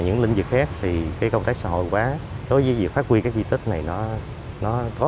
những lĩnh vực khác thì cái công tác xã hội hóa đối với việc phát huy các di tích này nó nó có